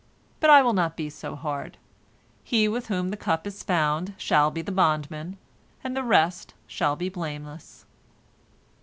But I will not be so hard. He with whom the cup is found shall be the bondman, and the rest shall be blameless."